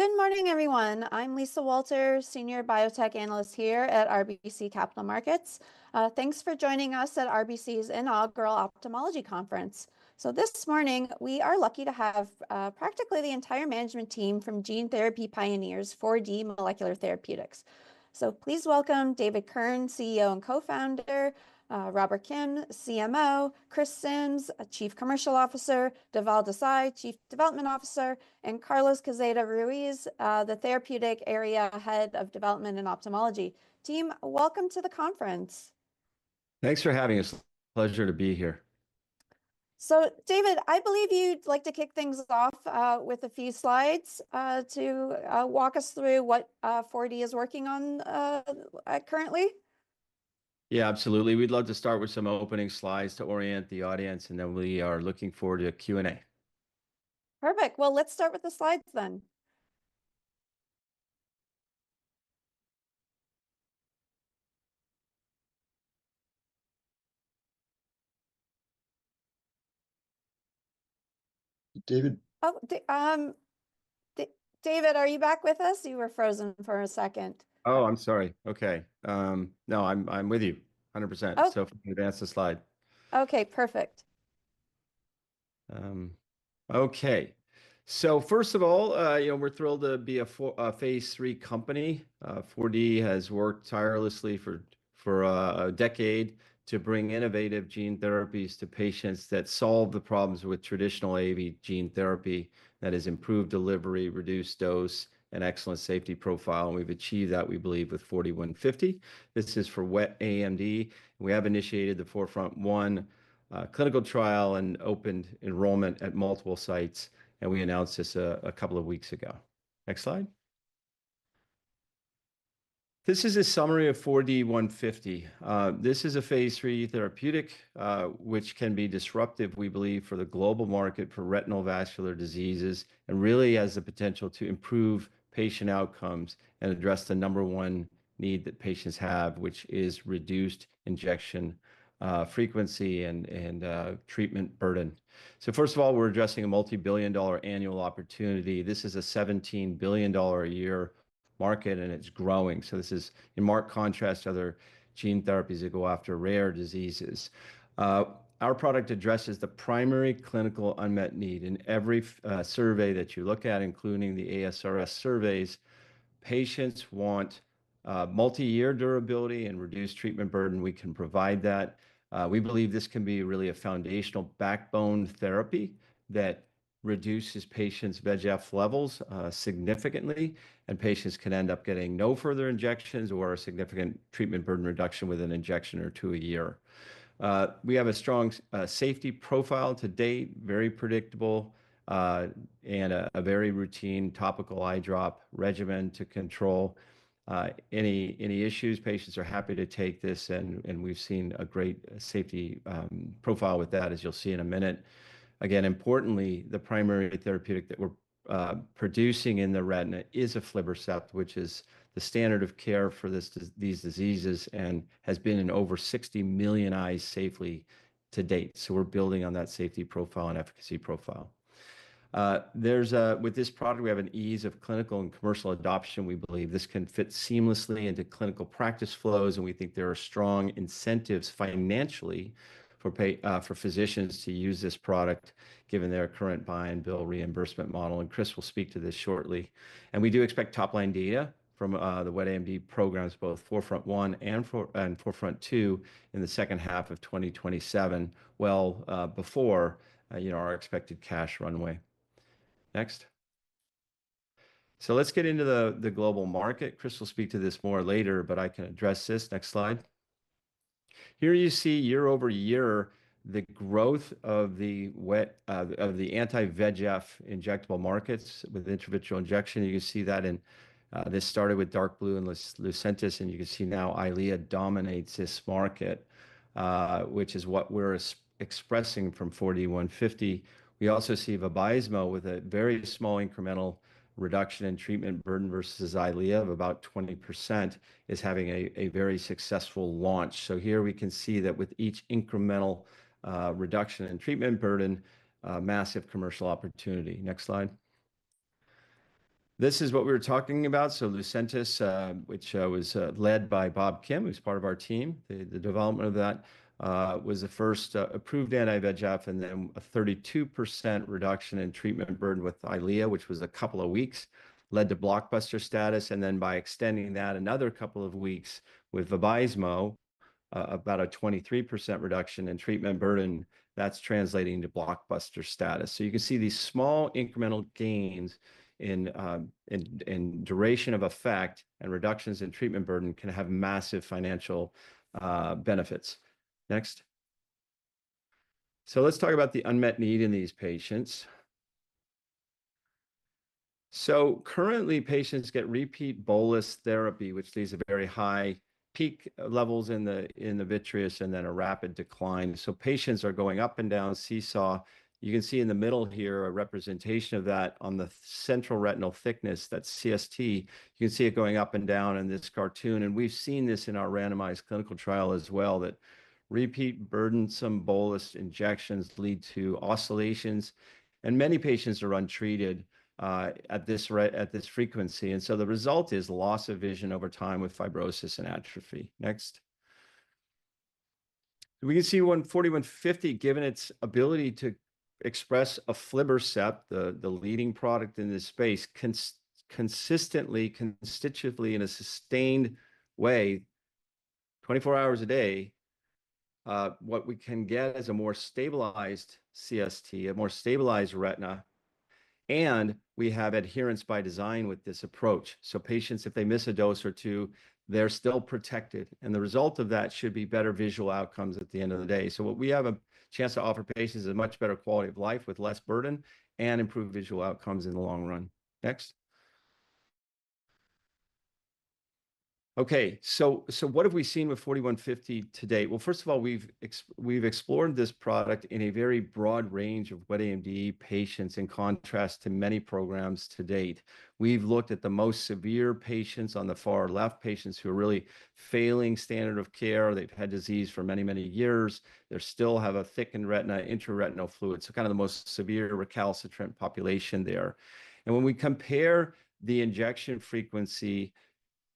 Good morning, everyone. I'm Lisa Walter, Senior Biotech Analyst here at RBC Capital Markets. Thanks for joining us at RBC's Inaugural Ophthalmology Conference. This morning, we are lucky to have practically the entire management team from gene therapy pioneers, 4D Molecular Therapeutics. Please welcome David Kirn, CEO and co-founder; Robert Kim, CMO; Chris Simms, Chief Commercial Officer; Dhaval Desai, Chief Development Officer; and Carlos Quezada Ruiz, the Therapeutic Area Head of Development and Ophthalmology Team. Welcome to the conference. Thanks for having us. Pleasure to be here. David, I believe you'd like to kick things off with a few slides to walk us through what 4D is working on currently. Yeah, absolutely. We'd love to start with some opening slides to orient the audience, and then we are looking forward to Q&A. Perfect. Let's start with the slides then. David. David, are you back with us? You were frozen for a second. Oh, I'm sorry. Okay. No, I'm with you 100%. If you could advance the slide. Okay, perfect. Okay. First of all, you know, we're thrilled to be a phase III company. 4D has worked tirelessly for a decade to bring innovative gene therapies to patients that solve the problems with traditional AAV gene therapy. That is improved delivery, reduced dose, and excellent safety profile. We've achieved that, we believe, with 4D-150. This is for wet AMD. We have initiated the 4FRONT-1 clinical trial and opened enrollment at multiple sites. We announced this a couple of weeks ago. Next slide. This is a summary of 4D-150. This is a phase III therapeutic, which can be disruptive, we believe, for the global market for retinal vascular diseases, and really has the potential to improve patient outcomes and address the number one need that patients have, which is reduced injection frequency and treatment burden. First of all, we're addressing a multi-billion dollar annual opportunity. This is a $17 billion a year market, and it's growing. This is in marked contrast to other gene therapies that go after rare diseases. Our product addresses the primary clinical unmet need. In every survey that you look at, including the ASRS surveys, patients want multi-year durability and reduced treatment burden. We can provide that. We believe this can be really a foundational backbone therapy that reduces patients' VEGF levels significantly, and patients can end up getting no further injections or a significant treatment burden reduction with an injection or two a year. We have a strong safety profile to date, very predictable, and a very routine topical eye drop regimen to control any issues. Patients are happy to take this, and we've seen a great safety profile with that, as you'll see in a minute. Again, importantly, the primary therapeutic that we're producing in the retina is Aflibercept, which is the standard of care for these diseases and has been in over 60 million eyes safely to date. We're building on that safety profile and efficacy profile. With this product, we have an ease of clinical and commercial adoption. We believe this can fit seamlessly into clinical practice flows, and we think there are strong incentives financially for physicians to use this product, given their current buy-and-bill reimbursement model. Chris will speak to this shortly. We do expect top-line data from the wet AMD programs, both 4FRONT-1 and 4FRONT-2, in the second half of 2027, well before our expected cash runway. Next. Let's get into the global market. Chris will speak to this more later, but I can address this. Next slide. Here you see year over year the growth of the anti-VEGF injectable markets with intravitreal injection. You can see that in this started with dark blue and Lucentis, and you can see now Eylea dominates this market, which is what we're expressing from 4D-150. We also see Vabysmo with a very small incremental reduction in treatment burden versus Eylea of about 20%, is having a very successful launch. Here we can see that with each incremental reduction in treatment burden, massive commercial opportunity. Next slide. This is what we were talking about. Lucentis, which was led by Robert Kim, who's part of our team, the development of that was the first approved anti-VEGF, and then a 32% reduction in treatment burden with Eylea, which was a couple of weeks, led to blockbuster status. Then by extending that another couple of weeks with Vabysmo, about a 23% reduction in treatment burden, that's translating to blockbuster status. You can see these small incremental gains in duration of effect and reductions in treatment burden can have massive financial benefits. Next. Let's talk about the unmet need in these patients. Currently, patients get repeat bolus therapy, which leads to very high peak levels in the vitreous and then a rapid decline. Patients are going up and down seesaw. You can see in the middle here a representation of that on the central retinal thickness, that's CST. You can see it going up and down in this cartoon. We've seen this in our randomized clinical trial as well, that repeat burdensome bolus injections lead to oscillations. Many patients are untreated at this frequency. The result is loss of vision over time with fibrosis and atrophy. Next. We can see 4D-150, given its ability to express aflibercept, the leading product in this space, consistently, constitutively in a sustained way, 24 hours a day, what we can get is a more stabilized CST, a more stabilized retina. We have adherence by design with this approach. Patients, if they miss a dose or two, they're still protected. The result of that should be better visual outcomes at the end of the day. What we have a chance to offer patients is a much better quality of life with less burden and improved visual outcomes in the long run. Next. Okay, what have we seen with 4D-150 today? First of all, we've explored this product in a very broad range of wet AMD patients in contrast to many programs to date. We've looked at the most severe patients on the far left, patients who are really failing standard of care. They've had disease for many, many years. They still have a thickened retina, intraretinal fluid. Kind of the most severe recalcitrant population there. When we compare the injection frequency,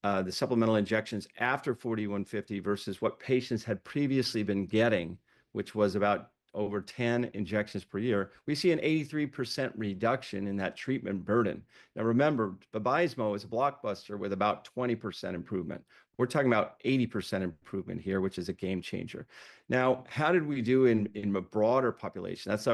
the supplemental injections after 4D-150 versus what patients had previously been getting, which was about over 10 injections per year, we see an 83% reduction in that treatment burden. Now, remember, Vabysmo was a blockbuster with about 20% improvement. We're talking about 80% improvement here, which is a game changer. How did we do in a broader population? That's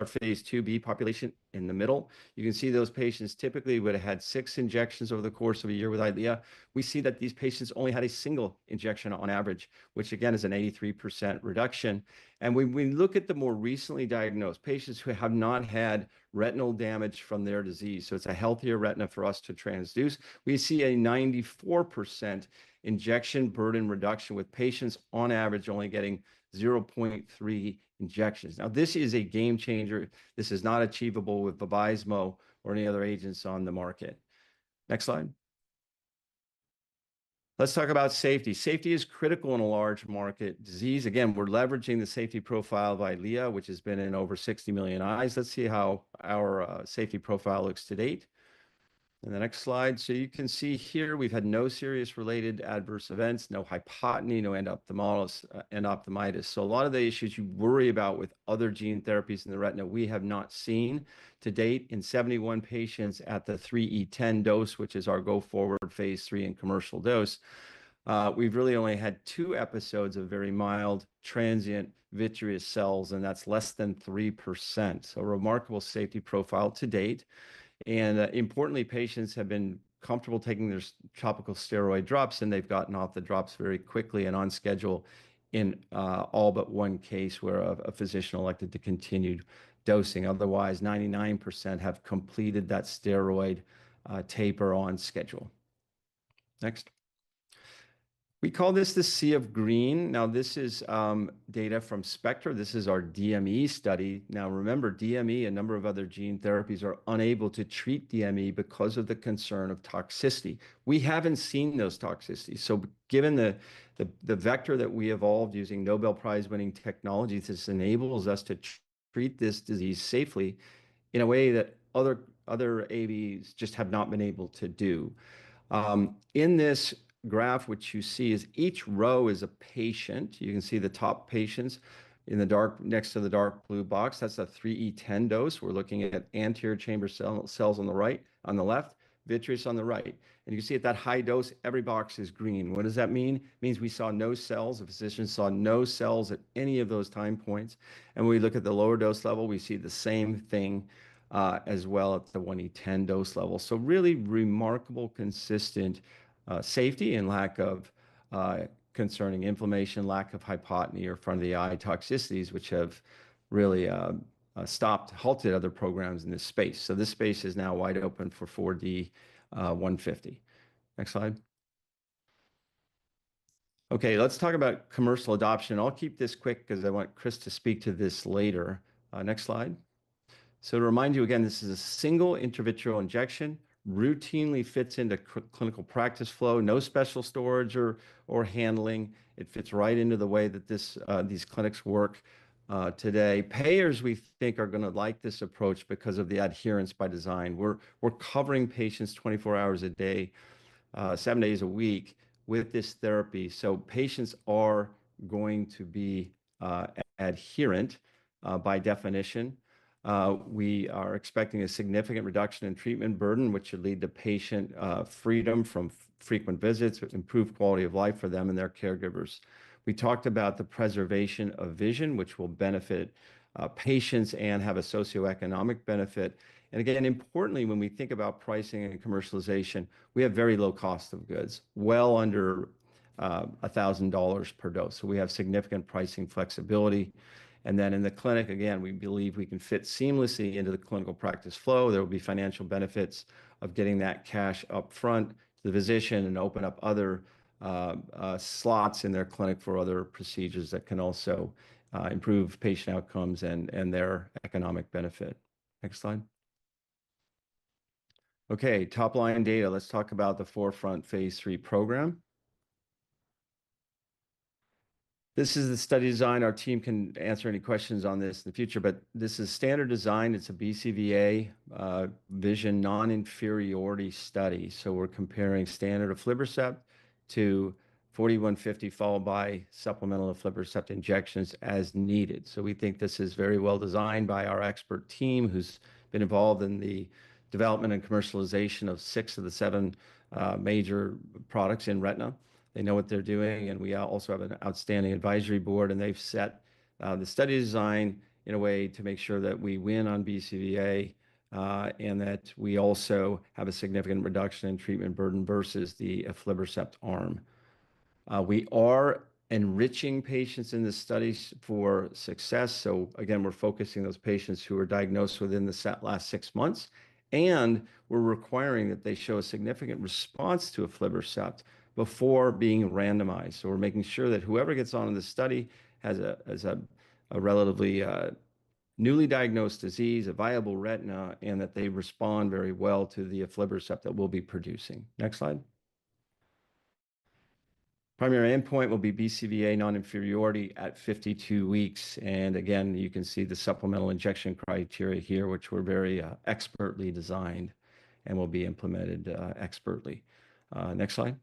our phase IIb population in the middle. You can see those patients typically would have had six injections over the course of a year with Eylea. We see that these patients only had a single injection on average, which again is an 83% reduction. When we look at the more recently diagnosed patients who have not had retinal damage from their disease, so it's a healthier retina for us to transduce, we see a 94% injection burden reduction with patients on average only getting 0.3 injections. This is a game changer. This is not achievable with Vabysmo or any other agents on the market. Next slide. Let's talk about safety. Safety is critical in a large market disease. Again, we're leveraging the safety profile of Eylea, which has been in over 60 million eyes. Let's see how our safety profile looks to date. Next slide. You can see here, we've had no serious related adverse events, no hypotony, no endophthalmitis. A lot of the issues you worry about with other gene therapies in the retina, we have not seen to date in 71 patients at the 3E10 dose, which is our go-forward phase III and commercial dose. We've really only had two episodes of very mild transient vitreous cells, and that's less than 3%. A remarkable safety profile to date. Importantly, patients have been comfortable taking their topical steroid drops, and they've gotten off the drops very quickly and on schedule in all but one case where a physician elected to continue dosing. Otherwise, 99% have completed that steroid taper on schedule. Next. We call this the sea of green. This is data from SPECTRA. This is our DME study. Now, remember, DME, a number of other gene therapies, are unable to treat DME because of the concern of toxicity. We haven't seen those toxicities. Given the vector that we evolved using Nobel Prize-winning technology, this enables us to treat this disease safely in a way that other AAVs just have not been able to do. In this graph, which you see, each row is a patient. You can see the top patients in the dark next to the dark blue box. That's a 3E10 dose. We're looking at anterior chamber cells on the left, vitreous on the right. You can see at that high dose, every box is green. What does that mean? It means we saw no cells. The physician saw no cells at any of those time points. When we look at the lower dose level, we see the same thing as well at the 1E10 dose level. Really remarkable, consistent safety and lack of concerning inflammation, lack of hypotony or front of the eye toxicities, which have really stopped, halted other programs in this space. This space is now wide open for 4D-150. Next slide. Okay, let's talk about commercial adoption. I'll keep this quick because I want Chris to speak to this later. Next slide. To remind you again, this is a single intravitreal injection, routinely fits into clinical practice flow, no special storage or handling. It fits right into the way that these clinics work today. Payers, we think, are going to like this approach because of the adherence by design. We're covering patients 24 hours a day, seven days a week with this therapy. Patients are going to be adherent by definition. We are expecting a significant reduction in treatment burden, which should lead to patient freedom from frequent visits, improved quality of life for them and their caregivers. We talked about the preservation of vision, which will benefit patients and have a socioeconomic benefit. Again, importantly, when we think about pricing and commercialization, we have very low cost of goods, well under $1,000 per dose. We have significant pricing flexibility. In the clinic, again, we believe we can fit seamlessly into the clinical practice flow. There will be financial benefits of getting that cash upfront to the physician and open up other slots in their clinic for other procedures that can also improve patient outcomes and their economic benefit. Next slide. Okay, top-line data. Let's talk about the 4FRONT phase III program. This is the study design. Our team can answer any questions on this in the future, but this is standard design. It's a BCVA vision non-inferiority study. We're comparing standard Aflibercept to 4D-150, followed by supplemental Aflibercept injections as needed. We think this is very well designed by our expert team, who's been involved in the development and commercialization of six of the seven major products in retina. They know what they're doing, and we also have an outstanding advisory board, and they've set the study design in a way to make sure that we win on BCVA and that we also have a significant reduction in treatment burden versus the Aflibercept arm. We are enriching patients in this study for success. Again, we're focusing those patients who are diagnosed within the last six months, and we're requiring that they show a significant response to Aflibercept before being randomized. We're making sure that whoever gets on in the study has a relatively newly diagnosed disease, a viable retina, and that they respond very well to the Aflibercept that we'll be producing. Next slide. Primary endpoint will be BCVA non-inferiority at 52 weeks. Again, you can see the supplemental injection criteria here, which were very expertly designed and will be implemented expertly. Next slide.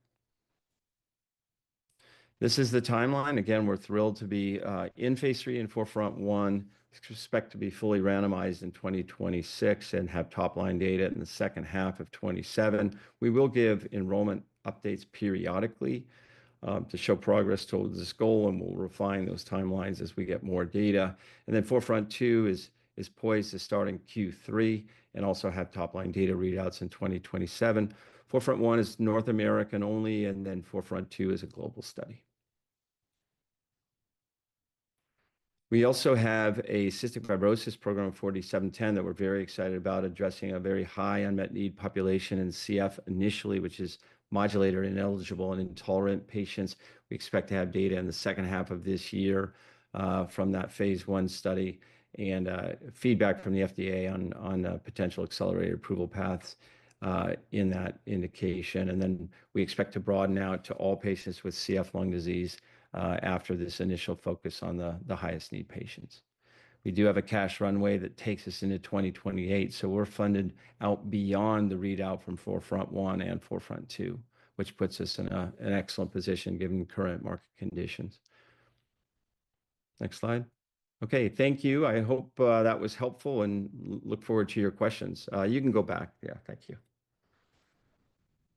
This is the timeline. Again, we're thrilled to be in phase III and 4FRONT-1 Expect to be fully randomized in 2026 and have top-line data in the second half of 2027. We will give enrollment updates periodically to show progress towards this goal, and we'll refine those timelines as we get more data. 4FRONT-2 is poised to start in Q3 and also have top-line data readouts in 2027. 4FRONT-1 is North America only, and then 4FRONT-2 is a global study. We also have a cystic fibrosis program, 4D-710, that we're very excited about addressing a very high unmet need population in CF initially, which is modulator-ineligible and intolerant patients. We expect to have data in the second half of this year from that phase I study and feedback from the FDA on potential accelerated approval paths in that indication. We expect to broaden out to all patients with CF lung disease after this initial focus on the highest need patients. We do have a cash runway that takes us into 2028. We're funded out beyond the readout from 4FRONT-1 and 4FRONT-2, which puts us in an excellent position given current market conditions. Next slide. Okay, thank you. I hope that was helpful and look forward to your questions. You can go back. Yeah, thank you.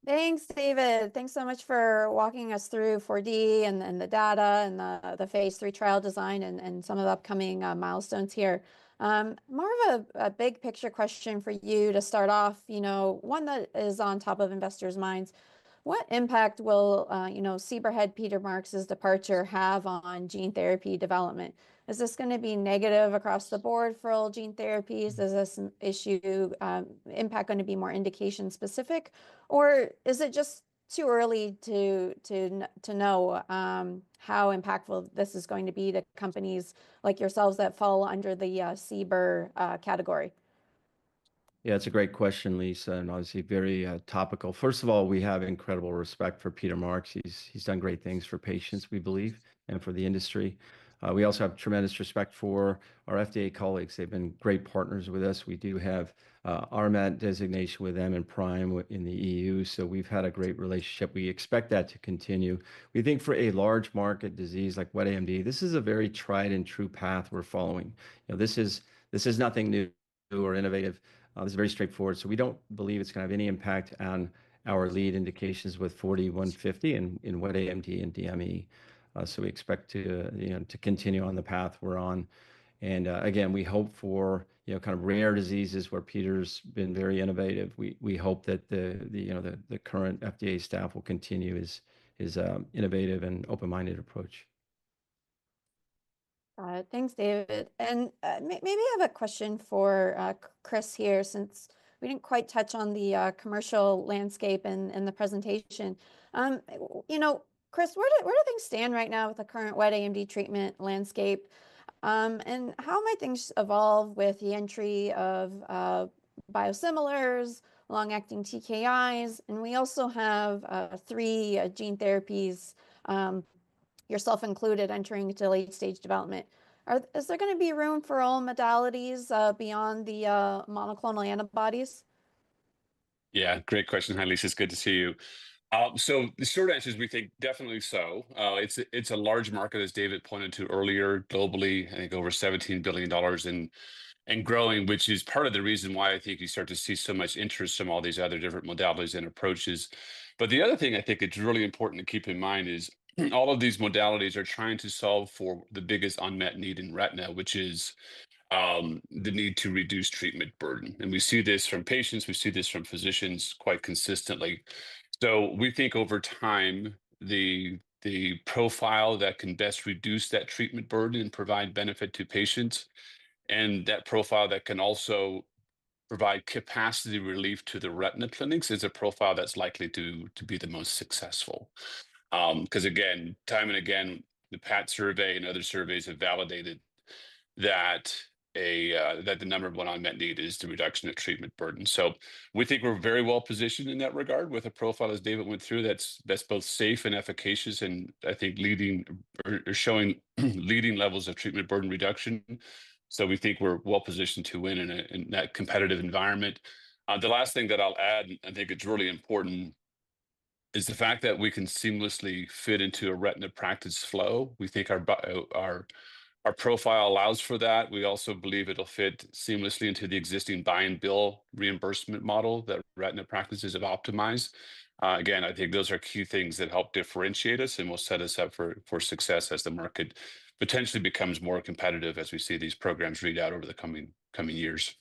Thanks, David. Thanks so much for walking us through 4D and the data and the phase III trial design and some of the upcoming milestones here. More of a big picture question for you to start off, you know, one that is on top of investors' minds. What impact will CBER head Peter Marks' departure have on gene therapy development? Is this going to be negative across the board for all gene therapies? Is this issue impact going to be more indication specific? Or is it just too early to know how impactful this is going to be to companies like yourselves that fall under the CBER category? Yeah, it's a great question, Lisa, and obviously very topical. First of all, we have incredible respect for Peter Marks. He's done great things for patients, we believe, and for the industry. We also have tremendous respect for our FDA colleagues. They've been great partners with us. We do have RMAT designation with them and PRIME in the European Union. We have had a great relationship. We expect that to continue. We think for a large market disease like wet AMD, this is a very tried and true path we're following. This is nothing new or innovative. This is very straightforward. We do not believe it's going to have any impact on our lead indications with 4D-150 in wet AMD and DME. We expect to continue on the path we're on. Again, we hope for kind of rare diseases where Peter's been very innovative. We hope that the current FDA staff will continue his innovative and open-minded approach. Thanks, David. Maybe I have a question for Chris here since we did not quite touch on the commercial landscape in the presentation. You know, Chris, where do things stand right now with the current wet AMD treatment landscape? How might things evolve with the entry of biosimilars, long-acting TKIs? We also have three gene therapies, yourself included, entering to late-stage development. Is there going to be room for all modalities beyond the monoclonal antibodies? Yeah, great question, Lisa. It's good to see you. The short answer is we think definitely so. It's a large market, as David pointed to earlier, globally, I think over $17 billion and growing, which is part of the reason why I think you start to see so much interest from all these other different modalities and approaches. The other thing I think it's really important to keep in mind is all of these modalities are trying to solve for the biggest unmet need in retina, which is the need to reduce treatment burden. We see this from patients. We see this from physicians quite consistently. We think over time, the profile that can best reduce that treatment burden and provide benefit to patients and that profile that can also provide capacity relief to the retina clinics is a profile that's likely to be the most successful. Again, time and again, the PAT survey and other surveys have validated that the number of unmet need is the reduction of treatment burden. We think we're very well positioned in that regard with a profile, as David went through, that's both safe and efficacious and I think leading or showing leading levels of treatment burden reduction. We think we're well positioned to win in that competitive environment. The last thing that I'll add, and I think it's really important, is the fact that we can seamlessly fit into a retina practice flow. We think our profile allows for that. We also believe it'll fit seamlessly into the existing buy-and-bill reimbursement model that retina practices have optimized. I think those are key things that help differentiate us and will set us up for success as the market potentially becomes more competitive as we see these programs read out over the coming years.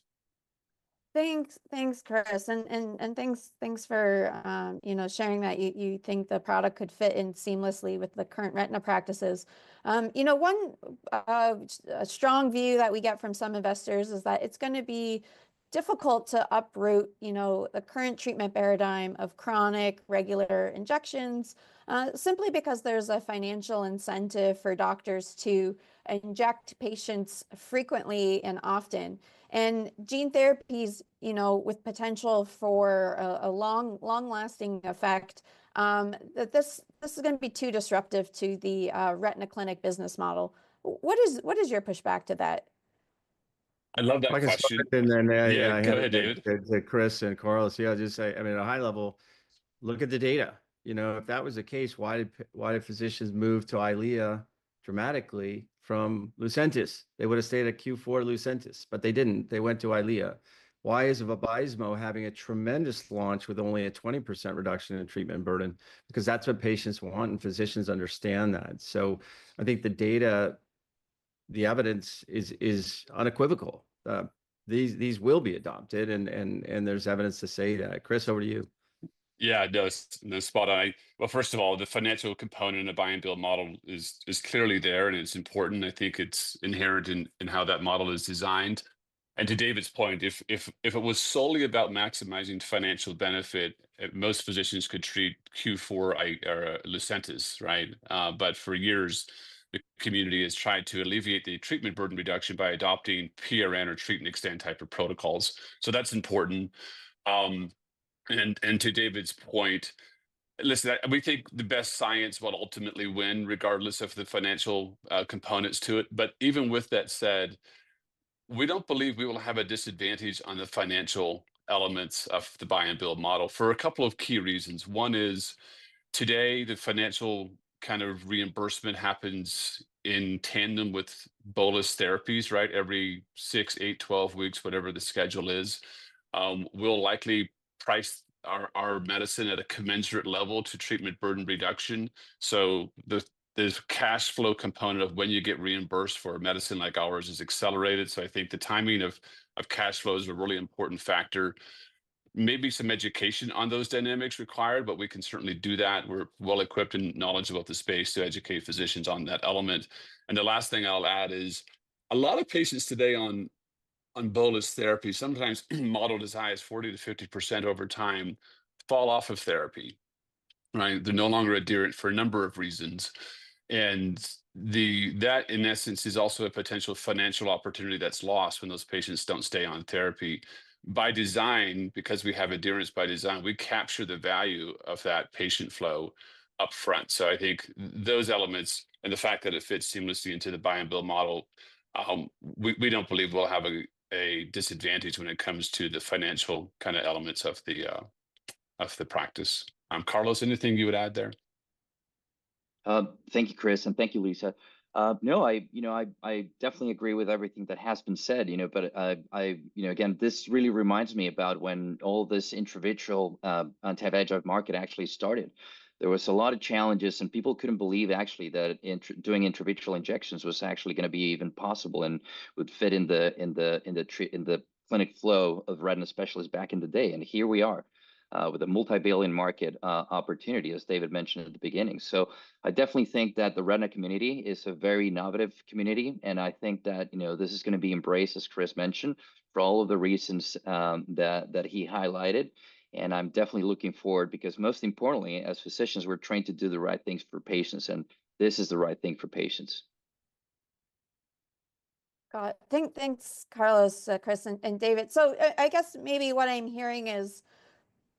Thanks, thanks, Chris. And thanks for sharing that you think the product could fit in seamlessly with the current retina practices. You know, one strong view that we get from some investors is that it's going to be difficult to uproot the current treatment paradigm of chronic regular injections simply because there's a financial incentive for doctors to inject patients frequently and often. Gene therapies, you know, with potential for a long-lasting effect, that this is going to be too disruptive to the retina clinic business model. What is your pushback to that? I love that question. Yeah, yeah, yeah. Go ahead, David. To Chris and Carlos, yeah, I'll just say, I mean, at a high level, look at the data. You know, if that was the case, why did physicians move to Eylea dramatically from Lucentis? They would have stayed at Q4 Lucentis, but they did not. They went to Eylea. Why is Vabysmo having a tremendous launch with only a 20% reduction in treatment burden? Because that is what patients want, and physicians understand that. I think the data, the evidence is unequivocal. These will be adopted, and there is evidence to say that. Chris, over to you. Yeah, no, spot on. First of all, the financial component of the buy-and-bill model is clearly there, and it's important. I think it's inherent in how that model is designed. To David's point, if it was solely about maximizing financial benefit, most physicians could treat Q4 Lucentis, right? For years, the community has tried to alleviate the treatment burden reduction by adopting PRN or treatment extend type of protocols. That's important. To David's point, listen, we think the best science will ultimately win, regardless of the financial components to it. Even with that said, we don't believe we will have a disadvantage on the financial elements of the buy-and-bill model for a couple of key reasons. One is today, the financial kind of reimbursement happens in tandem with bolus therapies, right? Every six, eight, twelve weeks, whatever the schedule is, we'll likely price our medicine at a commensurate level to treatment burden reduction. The cash flow component of when you get reimbursed for a medicine like ours is accelerated. I think the timing of cash flow is a really important factor. Maybe some education on those dynamics required, but we can certainly do that. We're well equipped and knowledgeable about the space to educate physicians on that element. The last thing I'll add is a lot of patients today on bolus therapy, sometimes modeled as high as 40-50% over time, fall off of therapy, right? They're no longer adherent for a number of reasons. That, in essence, is also a potential financial opportunity that's lost when those patients don't stay on therapy. By design, because we have adherence by design, we capture the value of that patient flow upfront. I think those elements and the fact that it fits seamlessly into the buy-and-bill model, we do not believe we will have a disadvantage when it comes to the financial kind of elements of the practice. Carlos, anything you would add there? Thank you, Chris, and thank you, Lisa. No, I definitely agree with everything that has been said, you know, but I, you know, again, this really reminds me about when all this intravitreal anti-VEGF market actually started. There was a lot of challenges, and people could not believe actually that doing intravitreal injections was actually going to be even possible and would fit in the clinic flow of retina specialists back in the day. Here we are with a multibillion market opportunity, as David mentioned at the beginning. I definitely think that the retina community is a very innovative community. I think that, you know, this is going to be embraced, as Chris mentioned, for all of the reasons that he highlighted. I'm definitely looking forward because most importantly, as physicians, we're trained to do the right things for patients, and this is the right thing for patients. Got it. Thanks, Carlos, Chris, and David. I guess maybe what I'm hearing is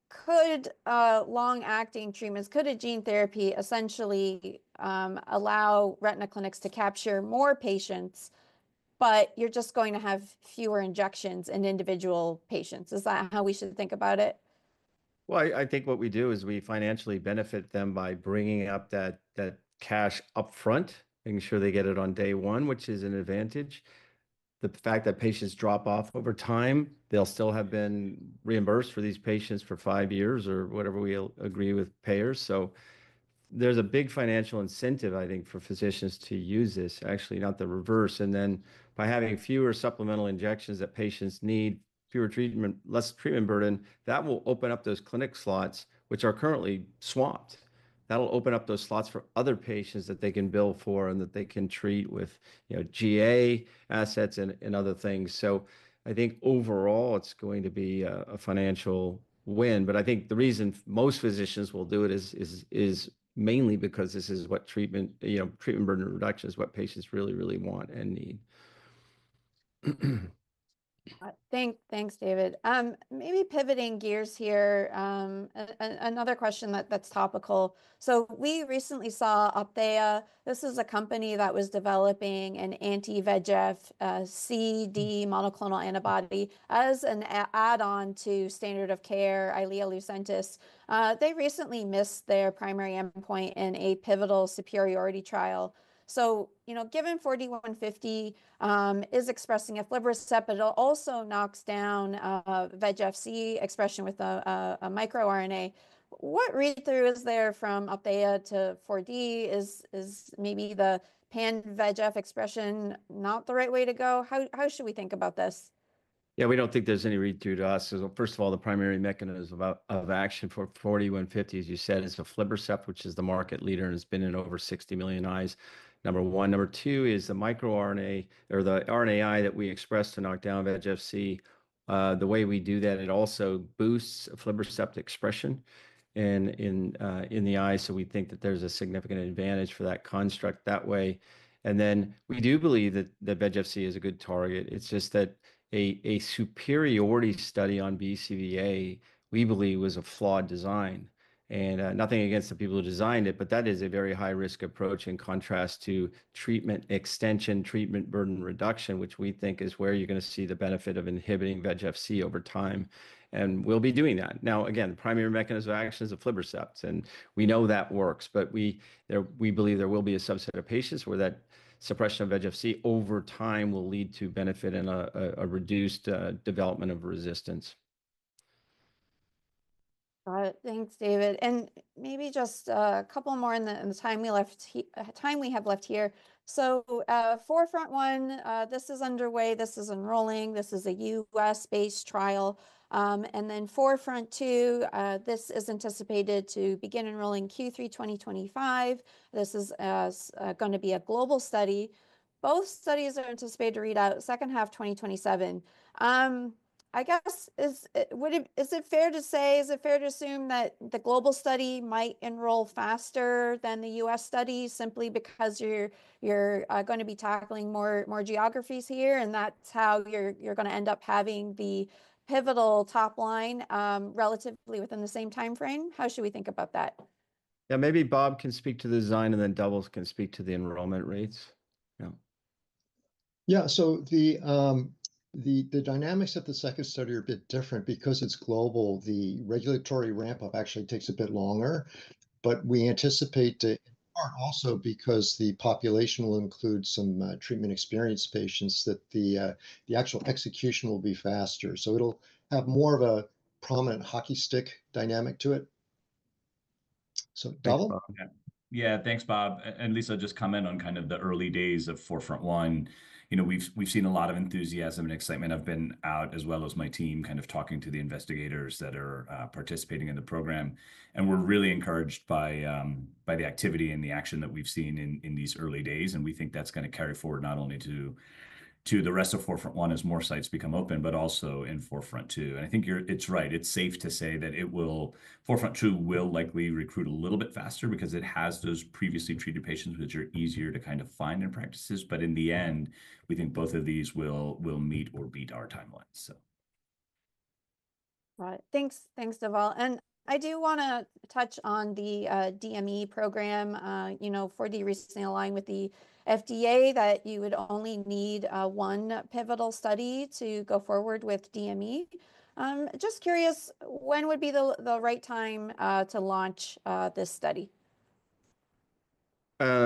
could long-acting treatments, could a gene therapy essentially allow retina clinics to capture more patients, but you're just going to have fewer injections in individual patients. Is that how we should think about it? I think what we do is we financially benefit them by bringing up that cash upfront, making sure they get it on day one, which is an advantage. The fact that patients drop off over time, they'll still have been reimbursed for these patients for five years or whatever we agree with payers. There is a big financial incentive, I think, for physicians to use this, actually not the reverse. By having fewer supplemental injections that patients need, fewer treatment, less treatment burden, that will open up those clinic slots, which are currently swamped. That will open up those slots for other patients that they can bill for and that they can treat with GA assets and other things. I think overall, it's going to be a financial win. I think the reason most physicians will do it is mainly because this is what treatment, you know, treatment burden reduction is what patients really, really want and need. Thanks, David. Maybe pivoting gears here, another question that's topical. We recently saw Opthea. This is a company that was developing an anti-VEGF C monoclonal antibody as an add-on to standard of care, Eylea, Lucentis. They recently missed their primary endpoint in a pivotal superiority trial. You know, given 4D-150 is expressing aflibercept, but it also knocks down VEGF C expression with a micro RNA. What read-through is there from Opthea to 4D? Is maybe the pan-VEGF expression not the right way to go? How should we think about this? Yeah, we do not think there is any read-through to us. First of all, the primary mechanism of action for 4D-150, as you said, is aflibercept, which is the market leader and has been in over 60 million eyes. Number one. Number two is the micro RNA or the RNAi that we express to knock down VEGF C. The way we do that, it also boosts aflibercept expression in the eye. We think that there's a significant advantage for that construct that way. We do believe that the VEGF C is a good target. It's just that a superiority study on BCVA, we believe, was a flawed design. Nothing against the people who designed it, but that is a very high-risk approach in contrast to treatment extension, treatment burden reduction, which we think is where you're going to see the benefit of inhibiting VEGF C over time. We'll be doing that. Now, again, the primary mechanism of action is the aflibercept. We know that works, but we believe there will be a subset of patients where that suppression of VEGF C over time will lead to benefit and a reduced development of resistance. Got it. Thanks, David. Maybe just a couple more in the time we have left here. 4FRONT-1, this is underway. This is enrolling. This is a U.S.-based trial. Then 4FRONT-2, this is anticipated to begin enrolling Q3 2025. This is going to be a global study. Both studies are anticipated to read out second half 2027. I guess, is it fair to say, is it fair to assume that the global study might enroll faster than the U.S. study simply because you're going to be tackling more geographies here and that's how you're going to end up having the pivotal top line relatively within the same timeframe? How should we think about that? Yeah, maybe Bob can speak to the design and then Dhaval can speak to the enrollment rates. Yeah. Yeah, so the dynamics of the second study are a bit different because it's global. The regulatory ramp-up actually takes a bit longer, but we anticipate that in part also because the population will include some treatment experienced patients that the actual execution will be faster. It'll have more of a prominent hockey stick dynamic to it. Dhaval? Yeah, thanks, Bob. And Lisa, just comment on kind of the early days of 4FRONT-1. You know, we've seen a lot of enthusiasm and excitement have been out as well as my team kind of talking to the investigators that are participating in the program. We're really encouraged by the activity and the action that we've seen in these early days. We think that's going to carry forward not only to the rest of 4FRONT-1 as more sites become open, but also in 4FRONT-2. I think you're, it's right. It's safe to say that it will, 4FRONT-2 will likely recruit a little bit faster because it has those previously treated patients which are easier to kind of find in practices. In the end, we think both of these will meet or beat our timelines. Got it. Thanks, thanks, Dheval. I do want to touch on the DME program, you know, 4D recently aligned with the FDA that you would only need one pivotal study to go forward with DME. Just curious, when would be the right time to launch this study? I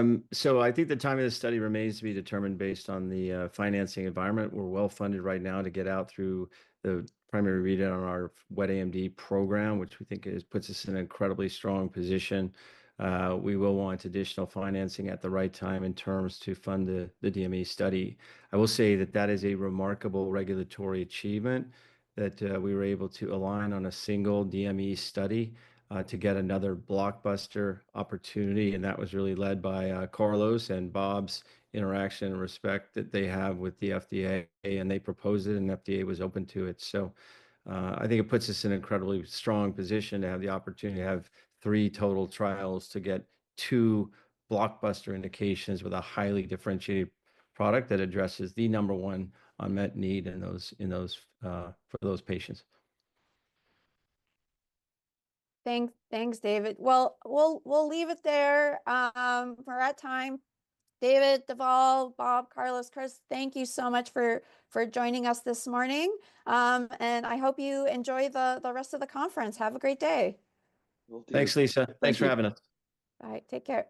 think the time of this study remains to be determined based on the financing environment. We're well funded right now to get out through the primary read on our wet AMD program, which we think puts us in an incredibly strong position. We will want additional financing at the right time in terms to fund the DME study. I will say that that is a remarkable regulatory achievement that we were able to align on a single DME study to get another blockbuster opportunity. That was really led by Carlos and Bob's interaction and respect that they have with the FDA. They proposed it and the FDA was open to it. I think it puts us in an incredibly strong position to have the opportunity to have three total trials to get two blockbuster indications with a highly differentiated product that addresses the number one unmet need in those for those patients. Thanks, thanks, David. We'll leave it there for our time. David, Deval, Bob, Carlos, Chris, thank you so much for joining us this morning. I hope you enjoy the rest of the conference. Have a great day. Thanks, Lisa. Thanks for having us. All right, take care.